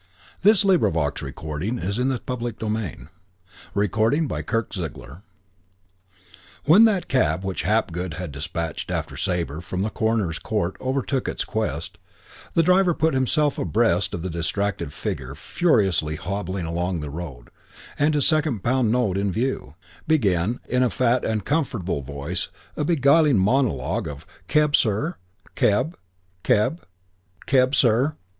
And we'd reason to be when we got there and found him." CHAPTER VII I When that cab which Hapgood had despatched after Sabre from the coroner's court overtook its quest, the driver put himself abreast of the distracted figure furiously hobbling along the road and, his second pound note in view, began, in a fat and comfortable voice, a beguiling monologue of "Keb, sir? Keb? Keb? Keb, sir?"